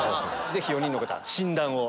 ぜひ４人の方診断を。